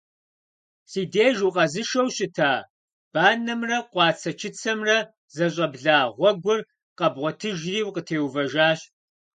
Си деж укъэзышэу щыта, банэмрэ къуацэ-чыцэмрэ зэщӀабла гъуэгур къэбгъуэтыжри, укъытеувэжащ.